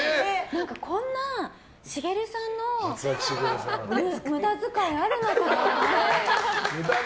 こんな、しげるさんの無駄使いあるのかなって思って。